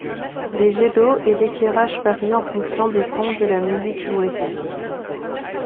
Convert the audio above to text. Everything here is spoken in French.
Les jets d'eau et l'éclairage varie en fonction des tons de la musique jouée.